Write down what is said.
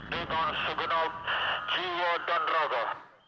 bukan segenap jiwa dan raga